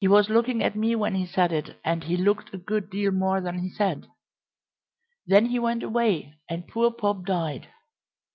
He was looking at me when he said it, and he looked a good deal more than he said. Then he went away, and poor Pop died.